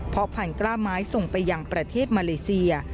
เพราะพันกล้าไม้ส่งไปยังประเทศมาเลเซีย